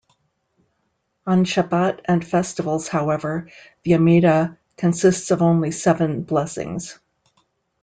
On Shabbat and festivals, however, the Amidah consists of only seven blessings.